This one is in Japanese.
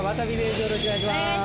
よろしくお願いします。